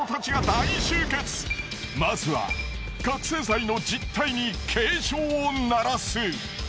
まずは覚せい剤の実態に警鐘を鳴らす。